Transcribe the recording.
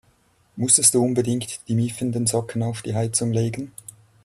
Musstest du unbedingt die miefenden Socken auf die Heizung legen?